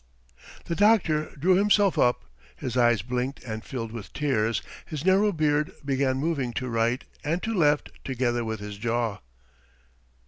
The doctor drew himself up. His eyes blinked and filled with tears, his narrow beard began moving to right and to left together with his jaw.